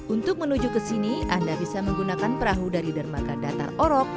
untuk menuju ke sini anda bisa menggunakan perahu dari dermaga datar orok